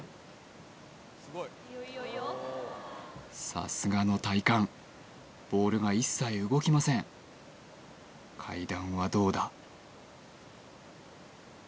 さすがの体幹ボールが一切動きません階段はどうだ？